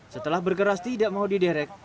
setelah berkeras tidak mau diderek